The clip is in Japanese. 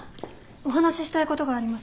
お話ししたいことがあります。